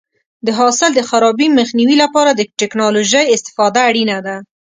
د حاصل د خرابي مخنیوي لپاره د ټکنالوژۍ استفاده اړینه ده.